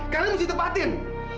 kalian mesti tepatin